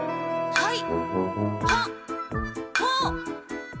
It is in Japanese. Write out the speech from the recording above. はい。